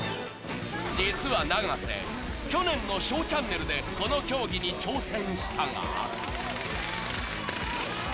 実は永瀬、去年のＳＨＯＷチャンネルでこの競技に挑戦したが。